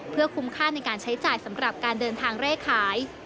เพื่อคุ้มค่าในการใช้จ่ายสำหรับการเดินทางเร่ขาย